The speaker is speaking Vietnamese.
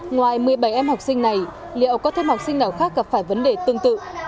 ngoài một mươi bảy em học sinh này liệu có thêm học sinh nào khác gặp phải vấn đề tương tự